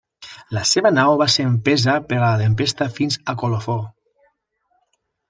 La seva nau va ser empesa per la tempesta fins a Colofó.